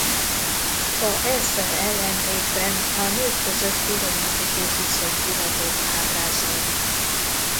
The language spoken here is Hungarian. A ezzel ellentétben a nők közötti romantikus viszonyt hivatott ábrázolni.